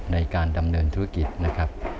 ในการดำเนินธุรกิจนะครับ